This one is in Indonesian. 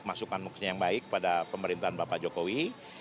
masukan maksudnya yang baik pada pemerintahan bapak jokowi